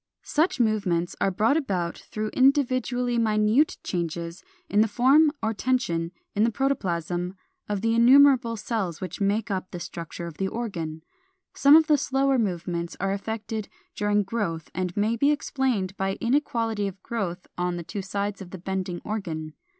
Such movements are brought about through individually minute changes in the form or tension in the protoplasm of the innumerable cells which make up the structure of the organ. Some of the slower movements are effected during growth, and may be explained by inequality of growth on the two sides of the bending organ.